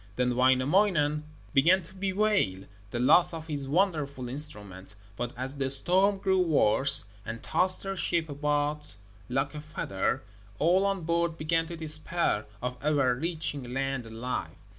Then Wainamoinen began to bewail the loss of his wonderful instrument; but as the storm grew worse, and tossed their ship about like a feather, all on board began to despair of ever reaching land alive.